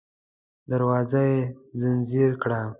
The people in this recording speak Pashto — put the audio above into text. دروازه يې ځنځير کړه.